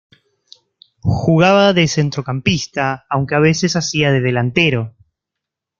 Jugaba de centrocampista, aunque a veces hacia de delantero.